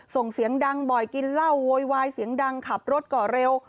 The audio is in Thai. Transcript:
ส่งเสียงดังบ่อยกินเหล้าโวยวายเสียงดังขับรถก็เร็ว